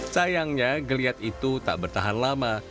sayangnya geliat itu tak bertahan lama